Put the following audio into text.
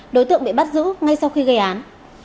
đối tượng bị bắt giữ ngay sau khi gây án